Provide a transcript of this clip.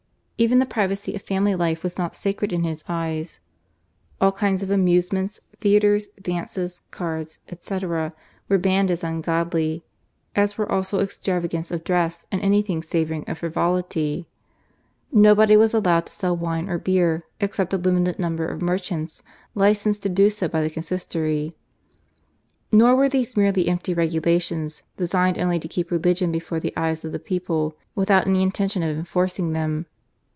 Even the privacy of family life was not sacred in his eyes. All kinds of amusements, theatres, dances, cards, &c., were banned as ungodly, as were also extravagance of dress and anything savouring of frivolity. Nobody was allowed to sell wine or beer except a limited number of merchants licensed to do so by the Consistory. Nor were these mere empty regulations designed only to keep religion before the eyes of the people without any intention of enforcing them.